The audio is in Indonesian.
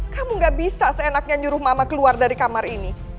kamu gak bisa seenaknya nyuruh mama keluar dari kamar ini